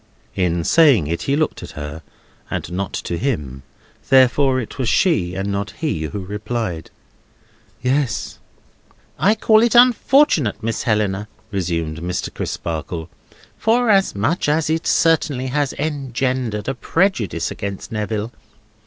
In saying it he looked to her, and not to him; therefore it was she, and not he, who replied: "Yes." "I call it unfortunate, Miss Helena," resumed Mr. Crisparkle, "forasmuch as it certainly has engendered a prejudice against Neville.